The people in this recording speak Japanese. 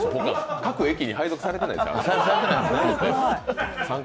各駅に配属されてないですから。